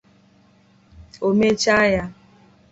O mechaa ya